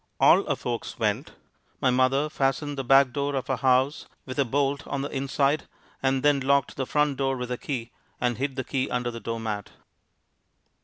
All our folks went. My mother fastened the back door of our house with a bolt on the inside, and then locked the front door with a key, and hid the key under the doormat.